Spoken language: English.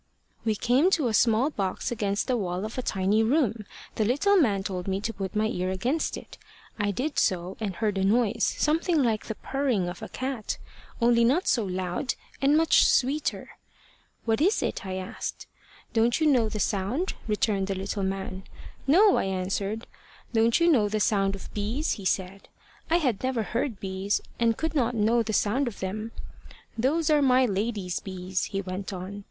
"We came to a small box against the wall of a tiny room. The little man told me to put my ear against it. I did so, and heard a noise something like the purring of a cat, only not so loud, and much sweeter. `What is it?' I asked. `Don't you know the sound?' returned the little man. `No,' I answered. `Don't you know the sound of bees?' he said. I had never heard bees, and could not know the sound of them. `Those are my lady's bees,' he went on.